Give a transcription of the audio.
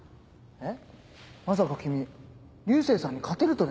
えっ⁉